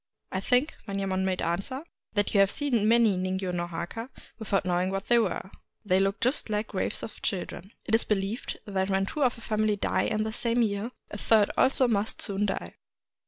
" I think," Manyemon made answer, " that you have seen many ningyo no Jiaka without knowing what they were ;— they look just like graves of children. It is believed that when two of a family die in the same year, a third also must soon die.